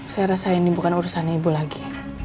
saya rasa ini bukan urusan ibu lagi